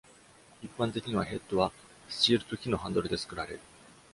一般的には、ヘッドはスチールと木のハンドルで作られる。